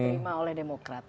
diterima oleh demokrat